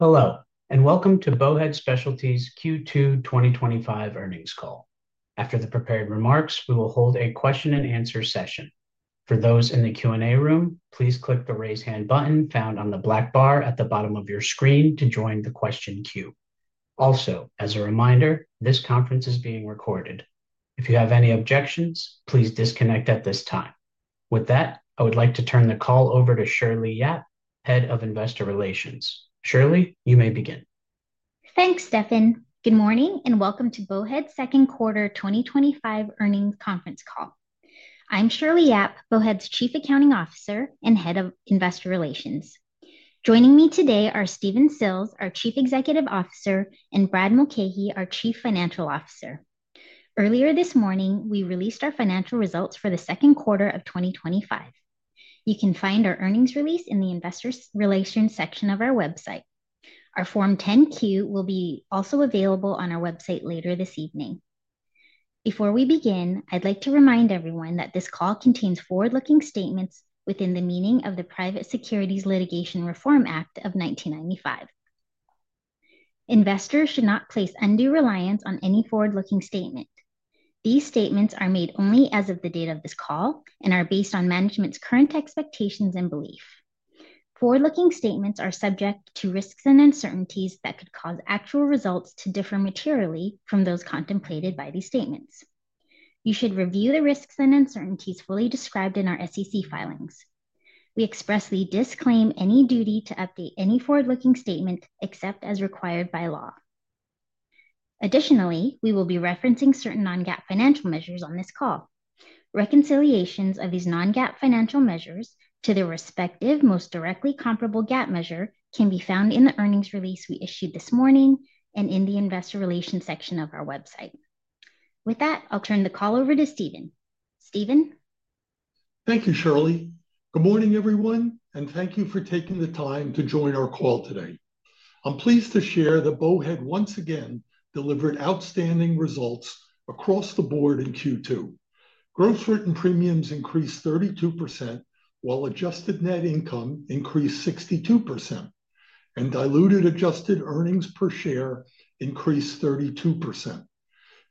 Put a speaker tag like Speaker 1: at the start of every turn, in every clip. Speaker 1: Hello and welcome to Bowhead Specialty's Q2 2025 Earnings Call. After the prepared remarks, we will hold a question and answer session. For those in the Q&A room, please click the raise hand button found on the black bar at the bottom of your screen to join the question queue. Also, as a reminder, this conference is being recorded. If you have any objections, please disconnect at this time. With that, I would like to turn the call over to Shirley Yap, Head of Investor Relations. Shirley, you may begin.
Speaker 2: Thanks, Stephen. Good morning and welcome to Bowhead's Second Quarter 2025 Earnings Conference Call. I'm Shirley Yap, Bowhead's Chief Accounting Officer and Head of Investor Relations. Joining me today are Stephen Sills, our Chief Executive Officer, and Brad Mulcahey, our Chief Financial Officer. Earlier this morning, we released our financial results for the second quarter of 2025. You can find our earnings release in the Investor Relations section of our website. Our Form 10-Q will also be available on our website later this evening. Before we begin, I'd like to remind everyone that this call contains forward-looking statements within the meaning of the Private Securities Litigation Reform Act of 1995. Investors should not place undue reliance on any forward-looking statement. These statements are made only as of the date of this call and are based on management's current expectations and belief. Forward-looking statements are subject to risks and uncertainties that could cause actual results to differ materially from those contemplated by these statements. You should review the risks and uncertainties fully described in our SEC filings. We expressly disclaim any duty to update any forward-looking statement except as required by law. Additionally, we will be referencing certain non-GAAP financial measures on this call. Reconciliations of these non-GAAP financial measures to their respective most directly comparable GAAP measure can be found in the earnings release we issued this morning and in the Investor Relations section of our website. With that, I'll turn the call over to Stephen. Stephen?
Speaker 3: Thank you, Shirley. Good morning, everyone, and thank you for taking the time to join our call today. I'm pleased to share that Bowhead once again delivered outstanding results across the board in Q2. Gross written premiums increased 32%, while adjusted net income increased 62%, and diluted adjusted earnings per share increased 32%.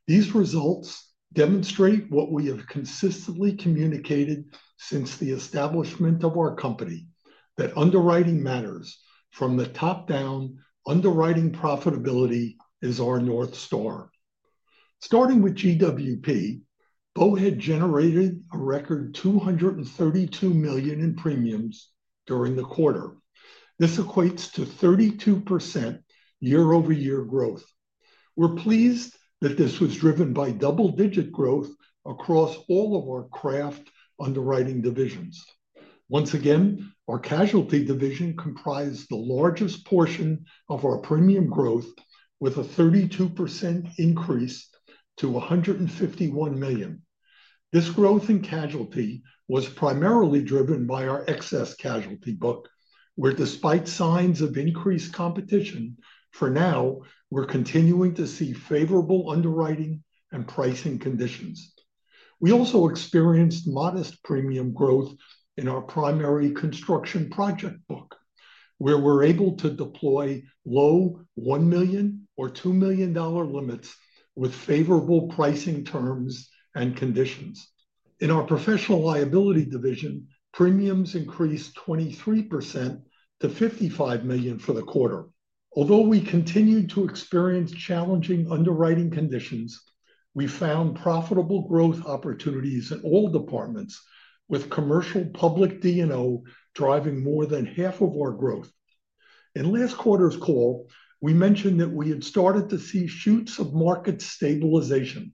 Speaker 3: These results demonstrate what we have consistently communicated since the establishment of our company, that underwriting matters. From the top down, underwriting profitability is our North Star. Starting with GWP, Bowhead generated a record $232 million in premiums during the quarter. This equates to 32% year-over-year growth. We're pleased that this was driven by double-digit growth across all of our craft underwriting divisions. Once again, our casualty division comprised the largest portion of our premium growth, with a 32% increase to $151 million. This growth in casualty was primarily driven by our excess casualty book, where despite signs of increased competition, for now, we're continuing to see favorable underwriting and pricing conditions. We also experienced modest premium growth in our primary construction project book, where we're able to deploy low $1 million or $2 million limits with favorable pricing terms and conditions. In our professional liability division, premiums increased 23% to $55 million for the quarter. Although we continued to experience challenging underwriting conditions, we found profitable growth opportunities in all departments, with commercial public D&O driving more than half of our growth. In last quarter's call, we mentioned that we had started to see shoots of market stabilization.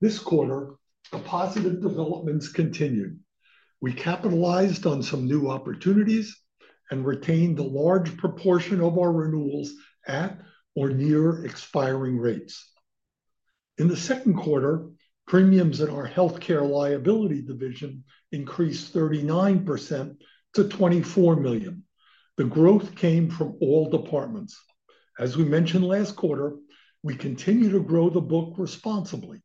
Speaker 3: This quarter, the positive developments continued. We capitalized on some new opportunities and retained a large proportion of our renewals at or near expiring rates. In the second quarter, premiums in our healthcare liability division increased 39% to $24 million. The growth came from all departments. As we mentioned last quarter, we continue to grow the book responsibly.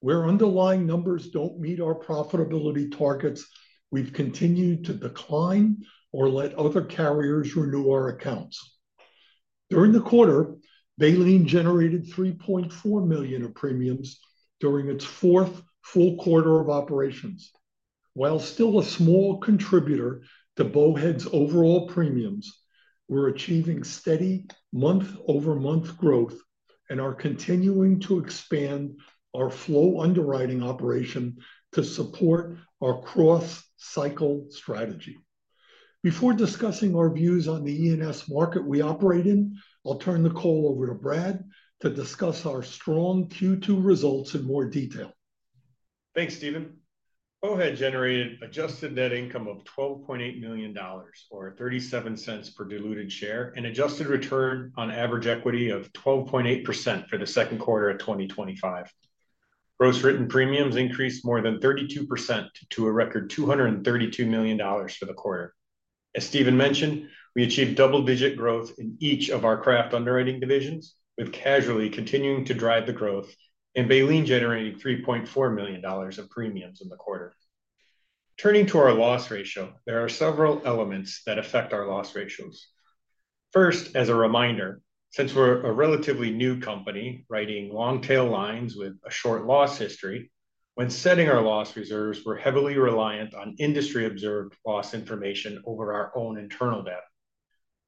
Speaker 3: Where underlying numbers don't meet our profitability targets, we've continued to decline or let other carriers renew our accounts. During the quarter, Baleen generated $3.4 million in premiums during its fourth full quarter of operations. While still a small contributor to Bowhead's overall premiums, we're achieving steady month-over-month growth and are continuing to expand our flow underwriting operation to support our cross-cycle strategy. Before discussing our views on the E&S market we operate in, I'll turn the call over to Brad to discuss our strong Q2 results in more detail.
Speaker 4: Thanks, Stephen. Bowhead generated an adjusted net income of $12.8 million, or $0.37 per diluted share, and an adjusted return on average equity of 12.8% for the second quarter of 2025. Gross written premiums increased more than 32% to a record $232 million for the quarter. As Stephen mentioned, we achieved double-digit growth in each of our craft underwriting divisions, with casualty continuing to drive the growth, and Baleen generating $3.4 million in premiums in the quarter. Turning to our loss ratio, there are several elements that affect our loss ratios. First, as a reminder, since we're a relatively new company writing long tail lines with a short loss history, when setting our loss reserves, we're heavily reliant on industry-observed loss information over our own internal data.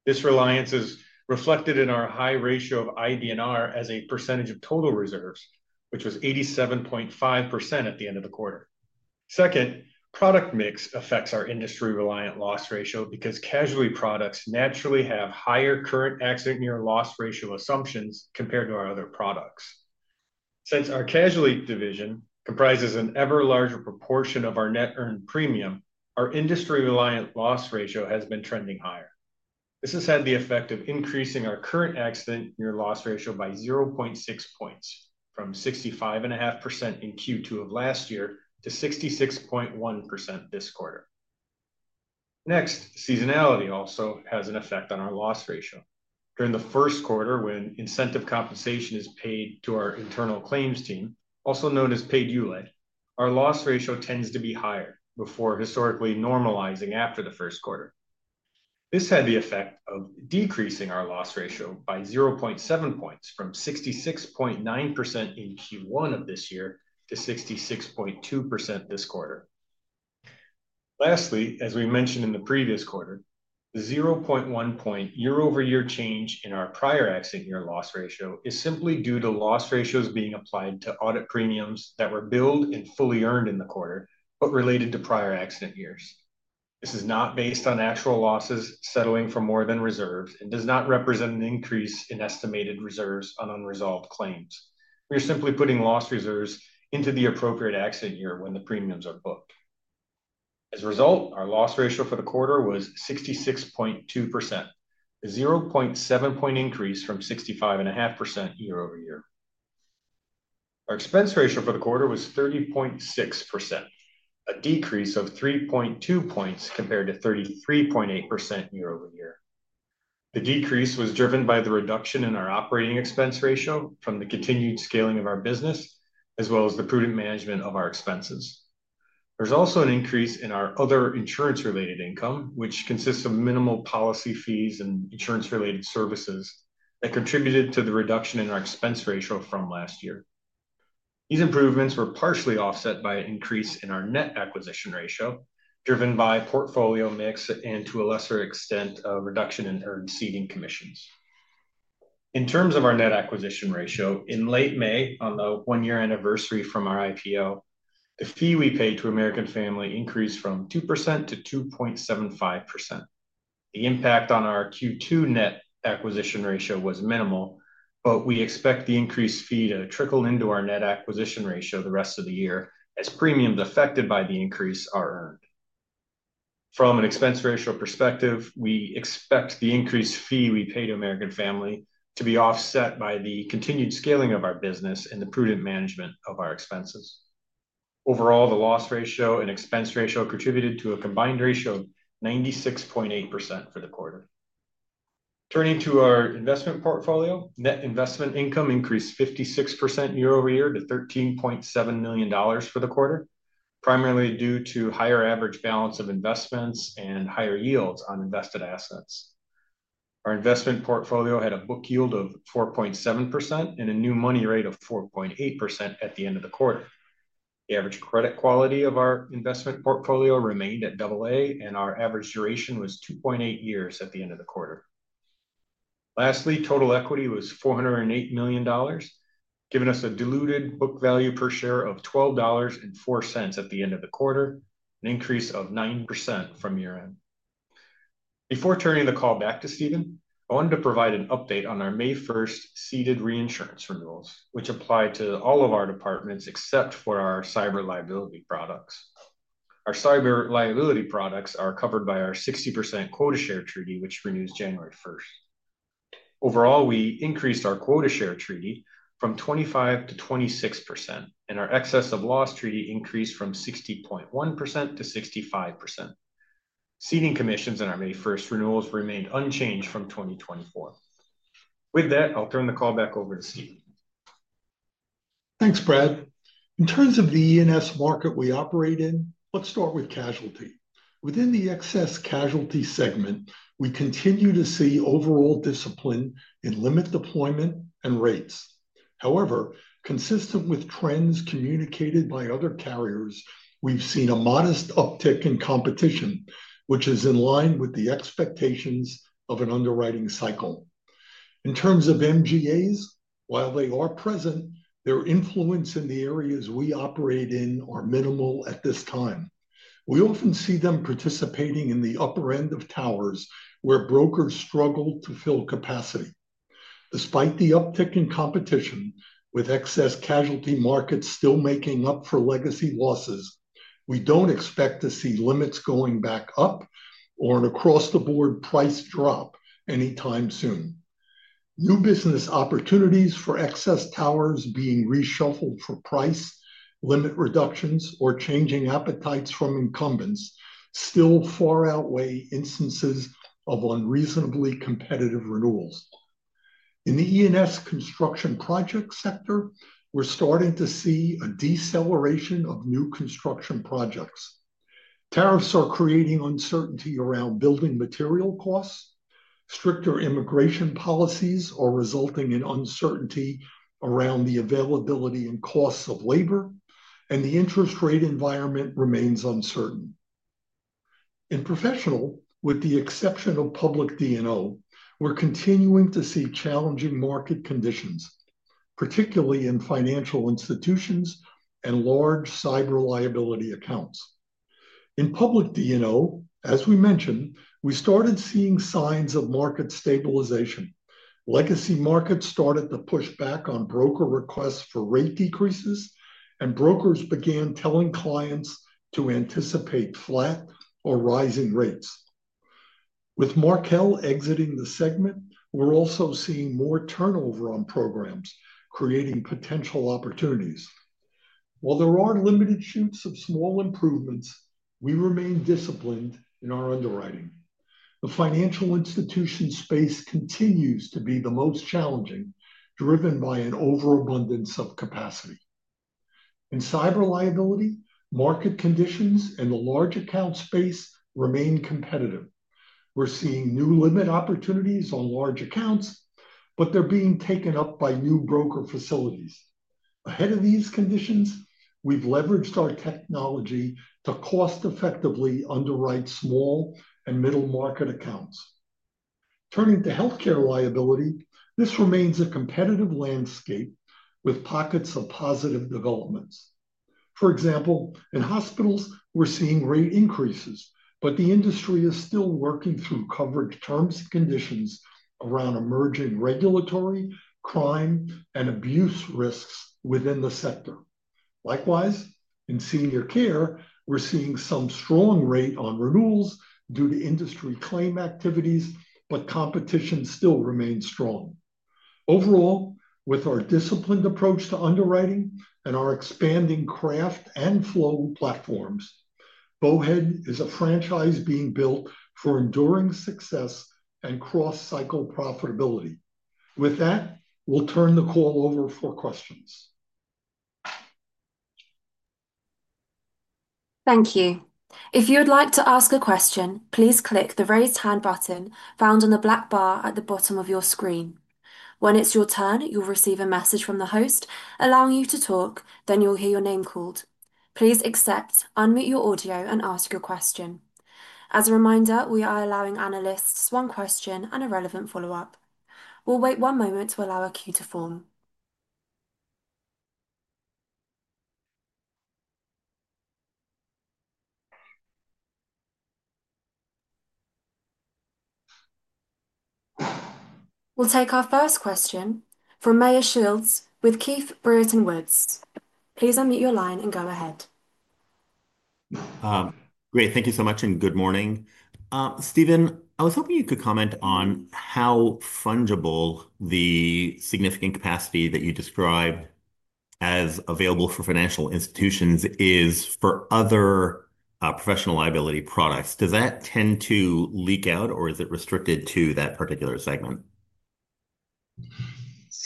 Speaker 4: This reliance is reflected in our high ratio of IBNR as a percentage of total reserves, which was 87.5% at the end of the quarter. Second, product mix affects our industry-reliant loss ratio because casualty products naturally have higher current accident-year loss ratio assumptions compared to our other products. Since our casualty division comprises an ever-larger proportion of our net earned premium, our industry-reliant loss ratio has been trending higher. This has had the effect of increasing our current accident-year loss ratio by 0.6 points, from 65.5% in Q2 of last year to 66.1% this quarter. Next, seasonality also has an effect on our loss ratio. During the first quarter, when incentive compensation is paid to our internal claims team, also known as paid ULAE, our loss ratio tends to be higher before historically normalizing after the first quarter. This had the effect of decreasing our loss ratio by 0.7 points, from 66.9% in Q1 of this year to 66.2% this quarter. Lastly, as we mentioned in the previous quarter, the 0.1 point year-over-year change in our prior accident-year loss ratio is simply due to loss ratios being applied to audit premiums that were billed and fully earned in the quarter, but related to prior accident years. This is not based on actual losses settling for more than reserves and does not represent an increase in estimated reserves on unresolved claims. We are simply putting loss reserves into the appropriate accident year when the premiums are booked. As a result, our loss ratio for the quarter was 66.2%, a 0.7 point increase from 65.5% year-over-year. Our expense ratio for the quarter was 30.6%, a decrease of 3.2 points compared to 33.8% year-over-year. The decrease was driven by the reduction in our operating expense ratio from the continued scaling of our business, as well as the prudent management of our expenses. There's also an increase in our other insurance-related income, which consists of minimal policy fees and insurance-related services that contributed to the reduction in our expense ratio from last year. These improvements were partially offset by an increase in our net acquisition ratio, driven by portfolio mix and, to a lesser extent, a reduction in our seeding commissions. In terms of our net acquisition ratio, in late May, on the one-year anniversary from our IPO, the fee we paid to American Family Insurance increased from 2% to 2.75%. The impact on our Q2 net acquisition ratio was minimal, but we expect the increased fee to trickle into our net acquisition ratio the rest of the year as premiums affected by the increase are earned. From an expense ratio perspective, we expect the increased fee we paid to American Family Insurance to be offset by the continued scaling of our business and the prudent management of our expenses. Overall, the loss ratio and expense ratio contributed to a combined ratio of 96.8% for the quarter. Turning to our investment portfolio, net investment income increased 56% year-over-year to $13.7 million for the quarter, primarily due to a higher average balance of investments and higher yields on invested assets. Our investment portfolio had a book yield of 4.7% and a new money rate of 4.8% at the end of the quarter. The average credit quality of our investment portfolio remained at AA, and our average duration was 2.8 years at the end of the quarter. Lastly, total equity was $408 million, giving us a diluted book value per share of $12.04 at the end of the quarter, an increase of 9% from year-end. Before turning the call back to Stephen, I wanted to provide an update on our May 1st seeded reinsurance renewals, which apply to all of our departments except for our cyber liability products. Our cyber liability products are covered by our 60% quota share treaty, which renews January 1st. Overall, we increased our quota share treaty from 25% to 26%, and our excess of loss treaty increased from 60.1% to 65%. Seeding commissions in our May 1st renewals remained unchanged from 2024. With that, I'll turn the call back over to Stephen.
Speaker 3: Thanks, Brad. In terms of the E&S market we operate in, let's start with casualty. Within the excess casualty segment, we continue to see overall discipline in limit deployment and rates. However, consistent with trends communicated by other carriers, we've seen a modest uptick in competition, which is in line with the expectations of an underwriting cycle. In terms of MGAs, while they are present, their influence in the areas we operate in is minimal at this time. We often see them participating in the upper end of towers where brokers struggle to fill capacity. Despite the uptick in competition, with excess casualty markets still making up for legacy losses, we don't expect to see limits going back up or an across-the-board price drop anytime soon. New business opportunities for excess towers being reshuffled for price, limit reductions, or changing appetites from incumbents still far outweigh instances of unreasonably competitive renewals. In the E&S construction project sector, we're starting to see a deceleration of new construction projects. Tariffs are creating uncertainty around building material costs, stricter immigration policies are resulting in uncertainty around the availability and costs of labor, and the interest rate environment remains uncertain. In professional, with the exception of public D&O, we're continuing to see challenging market conditions, particularly in financial institutions and large cyber liability accounts. In public D&O, as we mentioned, we started seeing signs of market stabilization. Legacy markets started to push back on broker requests for rate decreases, and brokers began telling clients to anticipate flat or rising rates. With Markel exiting the segment, we're also seeing more turnover on programs, creating potential opportunities. While there are limited shoots of small improvements, we remain disciplined in our underwriting. The financial institution space continues to be the most challenging, driven by an overabundance of capacity. In cyber liability, market conditions and the large account space remain competitive. We're seeing new limit opportunities on large accounts, but they're being taken up by new broker facilities. Ahead of these conditions, we've leveraged our technology to cost-effectively underwrite small and middle market accounts. Turning to healthcare liability, this remains a competitive landscape with pockets of positive developments. For example, in hospitals, we're seeing rate increases, but the industry is still working through coverage terms and conditions around emerging regulatory, crime, and abuse risks within the sector. Likewise, in senior care, we're seeing some strong rate on renewals due to industry claim activities, but competition still remains strong. Overall, with our disciplined approach to underwriting and our expanding craft and flow platforms, Bowhead is a franchise being built for enduring success and cross-cycle profitability. With that, we'll turn the call over for questions.
Speaker 1: Thank you. If you'd like to ask a question, please click the raised hand button found on the black bar at the bottom of your screen. When it's your turn, you'll receive a message from the host allowing you to talk, then you'll hear your name called. Please accept, unmute your audio, and ask your question. As a reminder, we are allowing analysts one question and a relevant follow-up. We'll wait one moment to allow a queue to form. We'll take our first question from Mayor Shields with Keith Brewerton Woods. Please unmute your line and go ahead.
Speaker 5: Great, thank you so much and good morning. Stephen, I was hoping you could comment on how fungible the significant capacity that you described as available for financial institutions is for other professional liability products. Does that tend to leak out or is it restricted to that particular segment?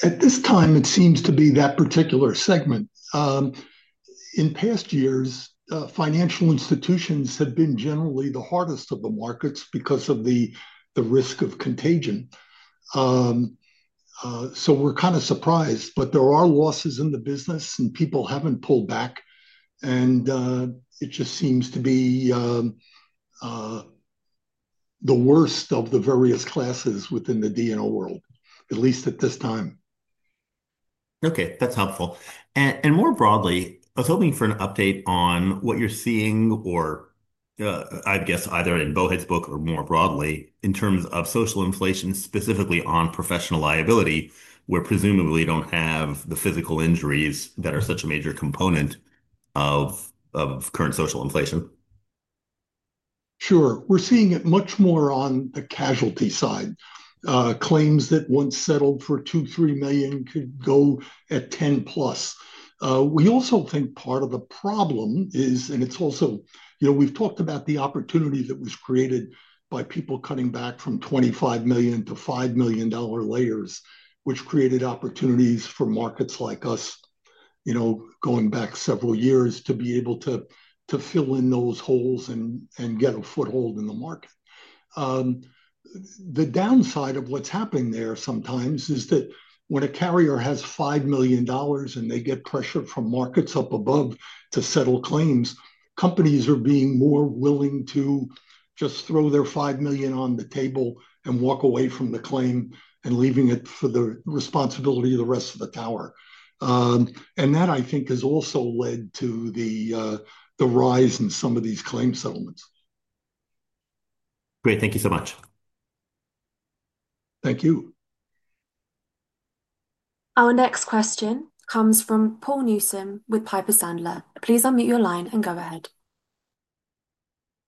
Speaker 3: At this time, it seems to be that particular segment. In past years, financial institutions have been generally the hardest of the markets because of the risk of contagion. We're kind of surprised, but there are losses in the business and people haven't pulled back, and it just seems to be the worst of the various classes within the D&O world, at least at this time.
Speaker 5: Okay, that's helpful. More broadly, I was hoping for an update on what you're seeing, or I guess either in Bowhead's book or more broadly in terms of social inflation, specifically on professional liability insurance, where presumably you don't have the physical injuries that are such a major component of current social inflation.
Speaker 3: Sure. We're seeing it much more on the casualty side. Claims that once settled for $2 million to $3 million could go at $10+ million. We also think part of the problem is, and it's also, you know, we've talked about the opportunity that was created by people cutting back from $25 million to $5 million layers, which created opportunities for markets like us, you know, going back several years to be able to fill in those holes and get a foothold in the market. The downside of what's happening there sometimes is that when a carrier has $5 million and they get pressure from markets up above to settle claims, companies are being more willing to just throw their $5 million on the table and walk away from the claim, leaving it for the responsibility of the rest of the tower. That, I think, has also led to the rise in some of these claim settlements.
Speaker 5: Great, thank you so much.
Speaker 3: Thank you.
Speaker 1: Our next question comes from Paul Newsome with Piper Sandler. Please unmute your line and go ahead.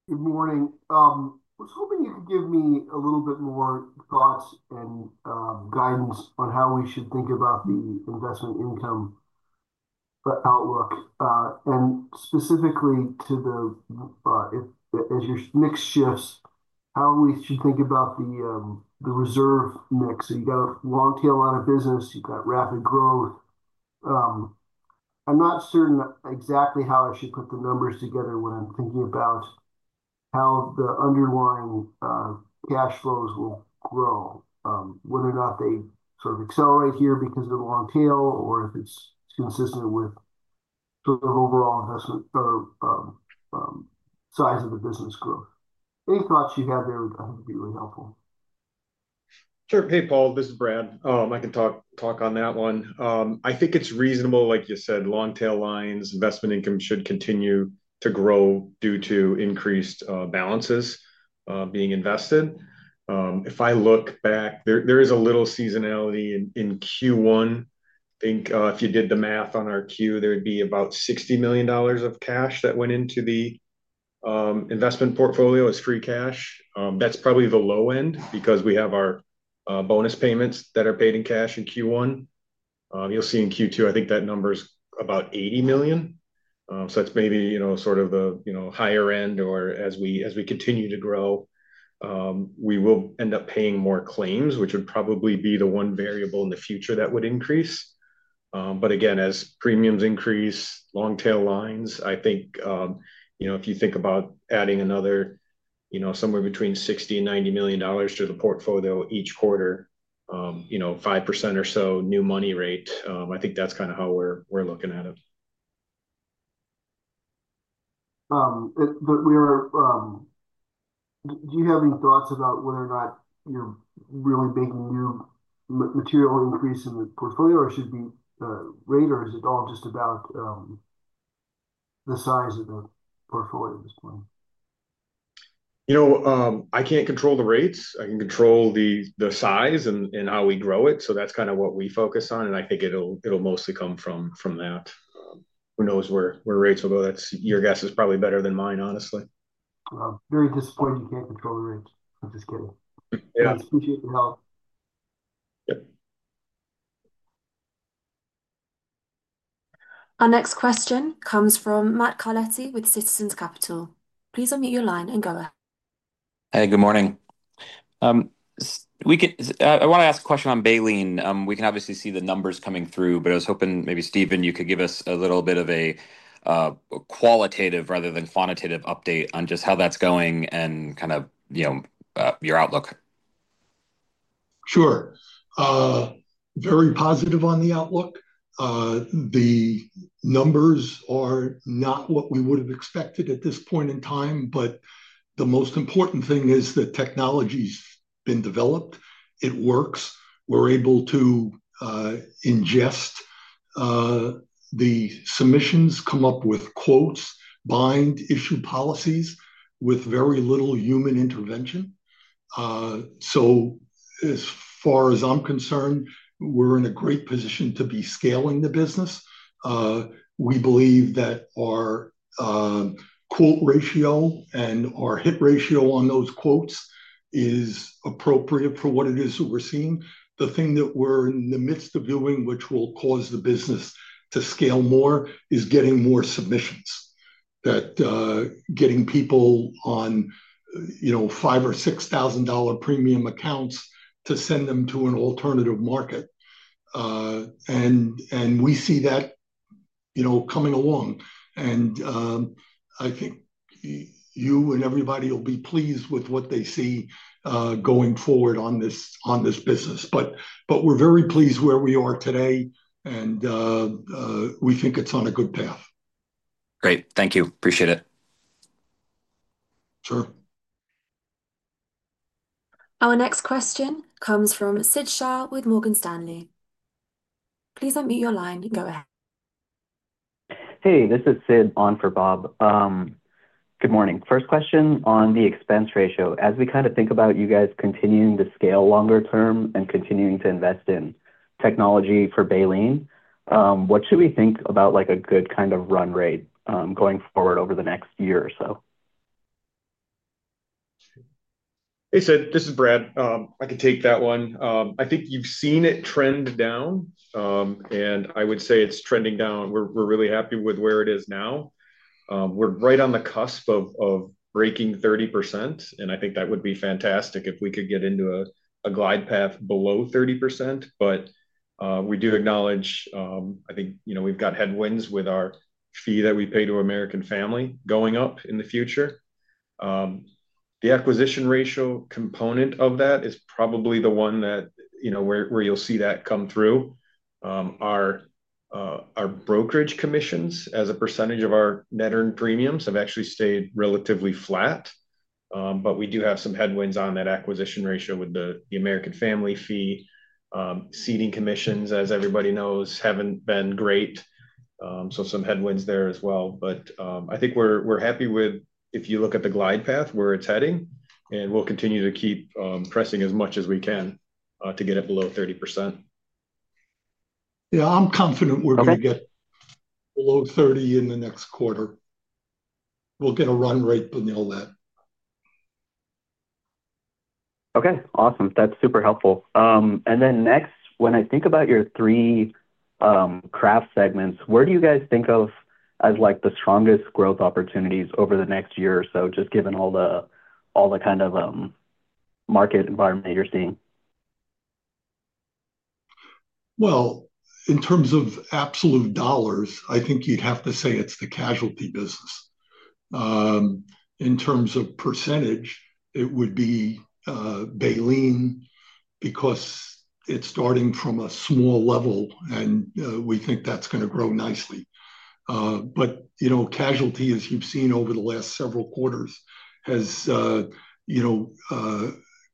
Speaker 6: Good morning. I was hoping you could give me a little bit more thoughts and guidance on how we should think about the investment income outlook and specifically, as your mix shifts, how we should think about the reserve mix. You've got a long tail line of business, you've got rapid growth. I'm not certain exactly how I should put the numbers together when I'm thinking about how the underlying cash flows will grow, whether or not they sort of accelerate here because of the long tail or if it's consistent with overall investment size of the business growth. Any thoughts you have there would be really helpful.
Speaker 4: Sure. Hey, Paul, this is Brad. I can talk on that one. I think it's reasonable, like you said, long tail lines, investment income should continue to grow due to increased balances being invested. If I look back, there is a little seasonality in Q1. I think if you did the math on our Q, there'd be about $60 million of cash that went into the investment portfolio as free cash. That's probably the low end because we have our bonus payments that are paid in cash in Q1. You'll see in Q2, I think that number's about $80 million. That's maybe, you know, sort of the higher end or as we continue to grow, we will end up paying more claims, which would probably be the one variable in the future that would increase. Again, as premiums increase, long tail lines, I think, you know, if you think about adding another, you know, somewhere between $60 and $90 million to the portfolio each quarter, 5% or so new money rate, I think that's kind of how we're looking at it.
Speaker 6: Do you have any thoughts about whether or not you're really big new material increase in the portfolio, or should it be rate, or is it all just about the size of the portfolio as well?
Speaker 4: I can't control the rates. I can control the size and how we grow it. That's kind of what we focus on. I think it'll mostly come from that. Who knows where rates will go? Your guess is probably better than mine, honestly.
Speaker 6: Very disappointed you can't control the rates. I'm just kidding.
Speaker 4: Yeah.
Speaker 6: I appreciate the help.
Speaker 1: Our next question comes from Matt Colletti with Citizens Capital. Please unmute your line and go ahead.
Speaker 7: Hey, good morning. I want to ask a question on Baleen. We can obviously see the numbers coming through, but I was hoping maybe, Stephen, you could give us a little bit of a qualitative rather than quantitative update on just how that's going and your outlook.
Speaker 3: Sure. Very positive on the outlook. The numbers are not what we would have expected at this point in time, but the most important thing is that technology's been developed. It works. We're able to ingest the submissions, come up with quotes, bind, issue policies with very little human intervention. As far as I'm concerned, we're in a great position to be scaling the business. We believe that our quote ratio and our hit ratio on those quotes is appropriate for what it is that we're seeing. The thing that we're in the midst of doing, which will cause the business to scale more, is getting more submissions, getting people on $5,000 or $6,000 premium accounts to send them to an alternative market. We see that coming along. I think you and everybody will be pleased with what they see going forward on this business. We're very pleased where we are today, and we think it's on a good path.
Speaker 7: Great. Thank you. Appreciate it.
Speaker 6: Sure.
Speaker 1: Our next question comes from Sid Shaw with Morgan Stanley. Please unmute your line and go ahead.
Speaker 8: Hey, this is Sid on for Bob. Good morning. First question on the expense ratio. As we kind of think about you guys continuing to scale longer term and continuing to invest in technology for Baleen, what should we think about like a good kind of run rate going forward over the next year or so?
Speaker 4: Hey, Sid, this is Brad. I could take that one. I think you've seen it trend down, and I would say it's trending down. We're really happy with where it is now. We're right on the cusp of breaking 30%, and I think that would be fantastic if we could get into a glide path below 30%. We do acknowledge, I think, you know, we've got headwinds with our fee that we pay to American Family Insurance going up in the future. The acquisition ratio component of that is probably the one that, you know, where you'll see that come through. Our brokerage commissions as a percentage of our net earned premiums have actually stayed relatively flat, but we do have some headwinds on that acquisition ratio with the American Family Insurance fee. Seeding commissions, as everybody knows, haven't been great. There are some headwinds there as well. I think we're happy with, if you look at the glide path where it's heading, and we'll continue to keep pressing as much as we can to get it below 30%.
Speaker 3: Yeah, I'm confident we're going to get below 30% in the next quarter. We'll get a run rate to nail that.
Speaker 8: Okay, awesome. That's super helpful. When I think about your three craft segments, where do you guys think of as the strongest growth opportunities over the next year or so, just given all the kind of market environment you're seeing?
Speaker 3: In terms of absolute dollars, I think you'd have to say it's the casualty business. In terms of percentage, it would be Baleen because it's starting from a small level, and we think that's going to grow nicely. You know, casualty, as you've seen over the last several quarters, has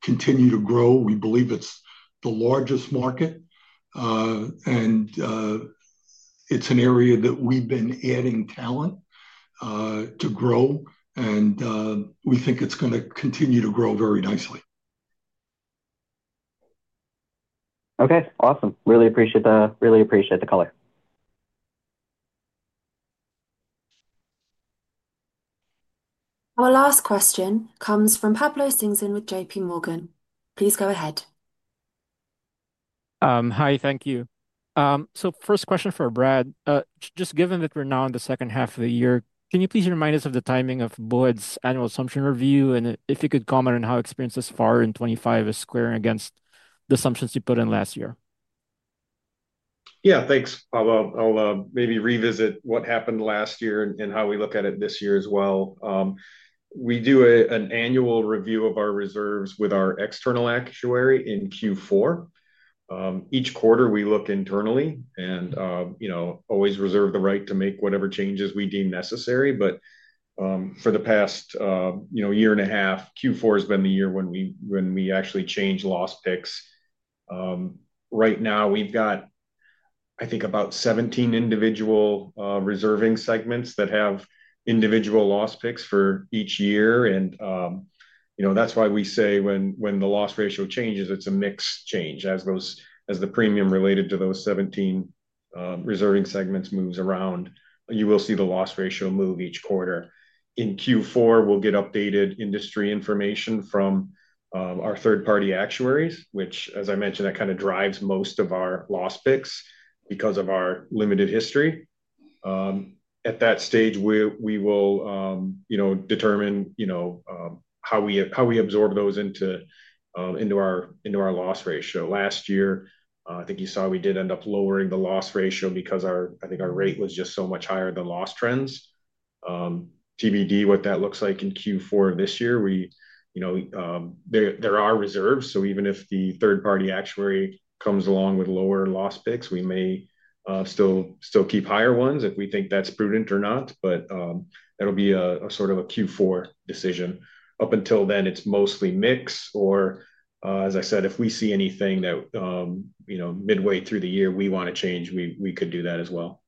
Speaker 3: continued to grow. We believe it's the largest market, and it's an area that we've been adding talent to grow, and we think it's going to continue to grow very nicely.
Speaker 8: Okay, awesome. Really appreciate the color.
Speaker 1: Our last question comes from Pablo Stinson with JPMorgan. Please go ahead.
Speaker 9: Hi, thank you. First question for Brad. Just given that we're now in the second half of the year, can you please remind us of the timing of Bowhead's annual assumption review, and if you could comment on how experiences far in 2025 are squaring against the assumptions you put in last year?
Speaker 4: Yeah, thanks, Pablo. I'll maybe revisit what happened last year and how we look at it this year as well. We do an annual review of our reserves with our external actuary in Q4. Each quarter, we look internally and always reserve the right to make whatever changes we deem necessary. For the past year and a half, Q4 has been the year when we actually change loss picks. Right now, we've got, I think, about 17 individual reserving segments that have individual loss picks for each year. That's why we say when the loss ratio changes, it's a mixed change as the premium related to those 17 reserving segments moves around. You will see the loss ratio move each quarter. In Q4, we'll get updated industry information from our third-party actuaries, which, as I mentioned, kind of drives most of our loss picks because of our limited history. At that stage, we will determine how we absorb those into our loss ratio. Last year, I think you saw we did end up lowering the loss ratio because our rate was just so much higher than loss trends. TBD, what that looks like in Q4 this year, there are reserves. Even if the third-party actuary comes along with lower loss picks, we may still keep higher ones if we think that's prudent or not. That'll be a sort of a Q4 decision. Up until then, it's mostly mixed, or as I said, if we see anything that midway through the year we want to change, we could do that as well.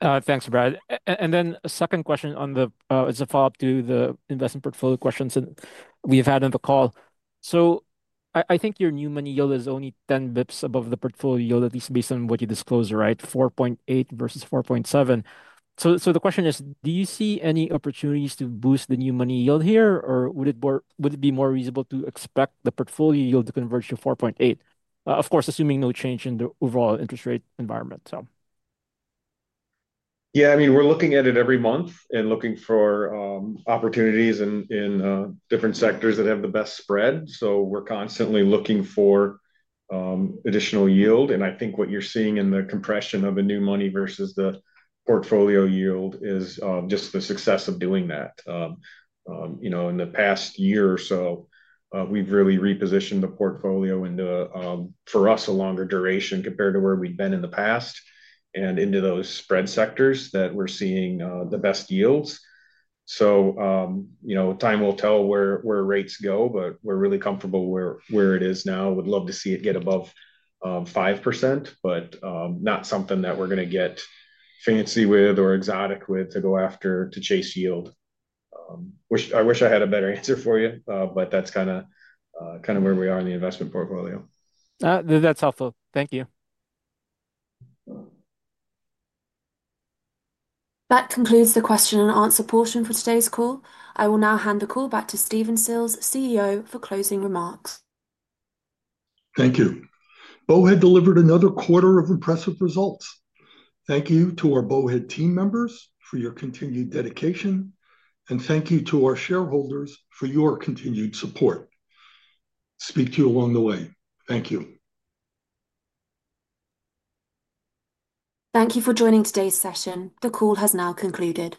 Speaker 9: Thanks, Brad. A second question on the, it's a follow-up to the investment portfolio questions that we've had in the call. I think your new money yield is only 10 basis points above the portfolio yield, at least based on what you disclosed, right? 4.8% versus 4.7%. The question is, do you see any opportunities to boost the new money yield here, or would it be more reasonable to expect the portfolio yield to converge to 4.8%, assuming no change in the overall interest rate environment.
Speaker 4: Yeah, I mean, we're looking at it every month and looking for opportunities in different sectors that have the best spread. We're constantly looking for additional yield. I think what you're seeing in the compression of the new money versus the portfolio yield is just the success of doing that. In the past year or so, we've really repositioned the portfolio into, for us, a longer duration compared to where we'd been in the past and into those spread sectors that we're seeing the best yields. Time will tell where rates go, but we're really comfortable where it is now. I would love to see it get above 5%, but not something that we're going to get fancy with or exotic with to go after to chase yield. I wish I had a better answer for you, but that's kind of where we are in the investment portfolio.
Speaker 9: That's helpful. Thank you.
Speaker 1: That concludes the question and answer portion for today's call. I will now hand the call back to Stephen Sills, CEO, for closing remarks.
Speaker 3: Thank you. Bowhead delivered another quarter of impressive results. Thank you to our Bowhead team members for your continued dedication, and thank you to our shareholders for your continued support. Speak to you along the way. Thank you.
Speaker 1: Thank you for joining today's session. The call has now concluded.